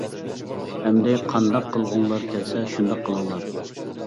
ئەمدى قانداق قىلغۇڭلار كەلسە شۇنداق قىلىڭلار!